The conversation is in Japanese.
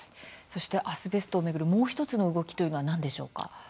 そしてアスベストを巡るもう１つの動きというのは何でしょうか？